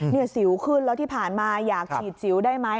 นี่สิวขึ้นแล้วที่ผ่านมาอยากฉีดสิวได้ไหม